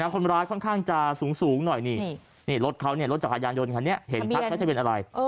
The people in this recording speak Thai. คนร้ายค่อนข้างจะสูงหน่อยนี่รถเขาเนี่ยรถจักรยานยนต์คันนี้เห็นชัดว่าจะเป็นอะไร